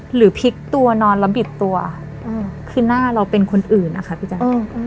หรือพลิกตัวนอนแล้วบิดตัวคือหน้าเราเป็นคนอื่นนะคะพี่แจ๊ค